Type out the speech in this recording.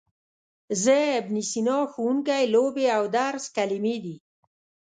زه، ابن سینا، ښوونکی، لوبې او درس کلمې دي.